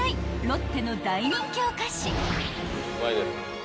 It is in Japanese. ロッテの大人気お菓子］